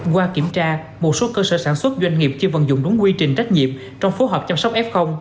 qua kiểm tra một số cơ sở sản xuất doanh nghiệp chưa vận dụng đúng quy trình trách nhiệm trong phối hợp chăm sóc f